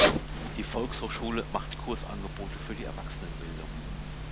Die Volkshochschule macht Kursangebote für die Erwachsenenbildung.